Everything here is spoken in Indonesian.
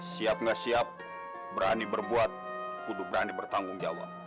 siap nggak siap berani berbuat kudu berani bertanggung jawab